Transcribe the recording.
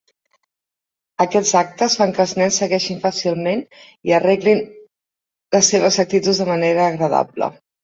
Aquests actes fan que els nens segueixin fàcilment i arreglin les seves actituds de manera agradable.